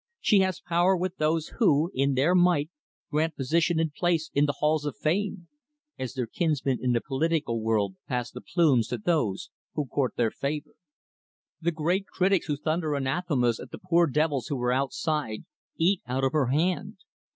She has power with those who, in their might, grant position and place in the halls of fame; as their kinsmen in the political world pass the plums to those who court their favor. The great critics who thunder anathemas at the poor devils who are outside, eat out of her hand.